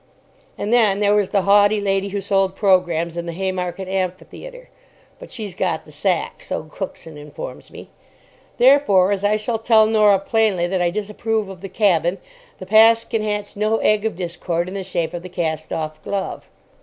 And then there was the haughty lady who sold programmes in the Haymarket Amphitheatre—but she's got the sack, so Cookson informs me. Therefore, as I shall tell Norah plainly that I disapprove of the Cabin, the past can hatch no egg of discord in the shape of the Cast Off Glove.